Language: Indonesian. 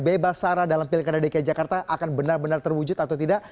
bebas sara dalam pilkada dki jakarta akan benar benar terwujud atau tidak